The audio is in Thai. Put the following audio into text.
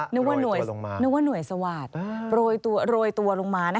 นึกว่าหน่วยสวาสตร์โรยตัวลงมา